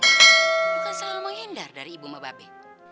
bukan selalu menghindar dari ibu mababe